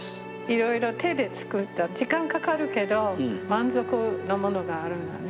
いろいろ手で作ったら時間かかるけど満足のものがあるのね。